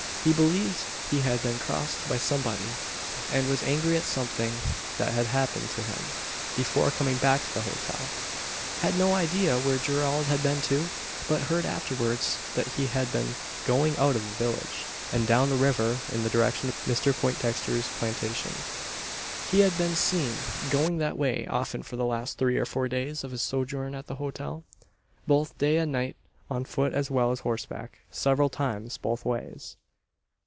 He believed he had been crossed by somebody, and was angry at something that had happened to him, before coming back to the hotel. Had no idea where Gerald had been to; but heard afterwards that he had been seen going out of the village, and down the river, in the direction of Mr Poindexter's plantation. He had been seen going that way often for the last three or four days of his sojourn at the hotel both by day and night on foot as well as horseback several times both ways.